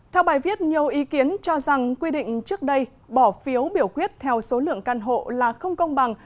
theo bài viết nhiều ý kiến cho rằng quy định trước đây bỏ phiếu biểu quyết theo số lượng căn hộ là không công bằng